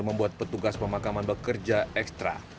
membuat petugas pemakaman bekerja ekstra